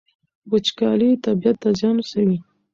وچکالي طبیعت ته زیان رسوي.